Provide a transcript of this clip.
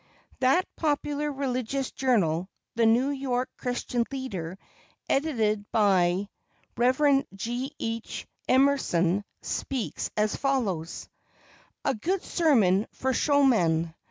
That popular religious journal, the New York Christian Leader, edited by the Rev. G. H. Emerson, speaks as follows: A GOOD SERMON FOR SHOWMEN.